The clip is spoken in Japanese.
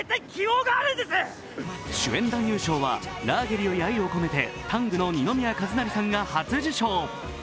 主演男優賞は「ラーゲリより愛を込めて」、「ＴＡＮＧ」の二宮和也さんが初受賞。